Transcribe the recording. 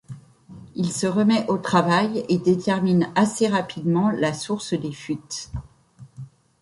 Il se remet au travail et détermine assez rapidement la source des fuites.